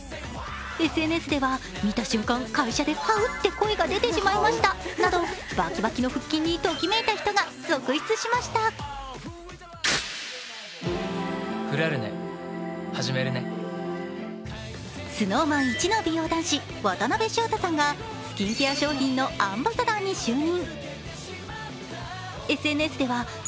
ＳＮＳでは見た瞬間会社でバウっていう声が出てしまいました、バキバキの腹筋にときめいた人が続出しましたＳｎｏｗＭａｎイチの美容男子、渡辺翔太さんがスキンケア商品のアンバサダーに就任。